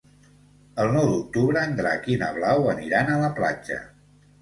El nou d'octubre en Drac i na Blau aniran a la platja.